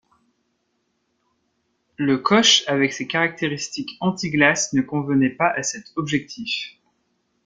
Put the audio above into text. Le koch avec ses caractéristiques anti-glace ne convenait pas à cet objectif.